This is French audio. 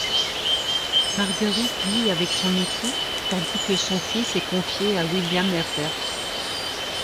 Marguerite vit avec son époux tandis que son fils est confié à William Herbert.